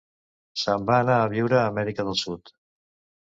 Se'n va anar a viure a Amèrica del Sud.